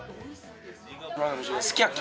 すき焼き。